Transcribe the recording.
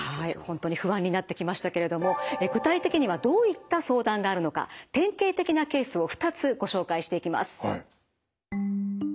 本当に不安になってきましたけれども具体的にはどういった相談があるのか典型的なケースを２つご紹介していきます。